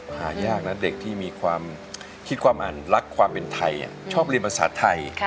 หายากนะเด็กที่มีความคิดความอ่านรักความเป็นไทยชอบเรียนภาษาไทย